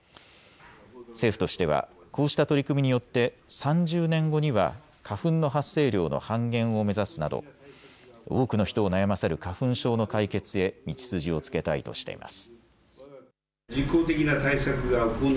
政府としてはこうした取り組みによって３０年後には花粉の発生量の半減を目指すなど多くの人を悩ませる花粉症の解決へ道筋をつけたいとしています。